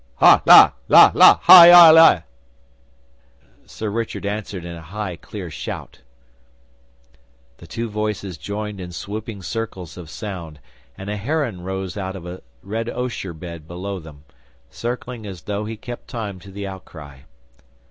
'Hal lal lal lal la hai ie!' Sir Richard answered in a high clear shout. The two voices joined in swooping circles of sound, and a heron rose out of a red osier bed below them, circling as though he kept time to the outcry.